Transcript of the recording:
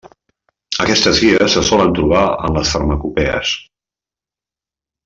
Aquestes guies se solen trobar en les farmacopees.